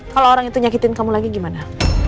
kalau orang itu nyakitin kamu lagi gimana